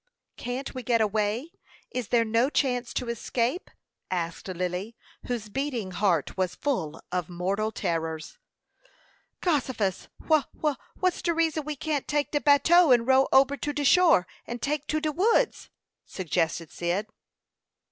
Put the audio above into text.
"Can't we get away? Is there no chance to escape?" asked Lily, whose beating heart was full of mortal terrors. "Gossifus! Wha wha what's de reason we can't take de bateau and row ober to de shore, and take to de woods?" suggested Cyd.